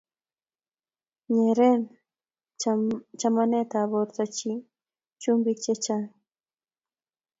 Nyeren chamanet bortab chii chumbik che chang'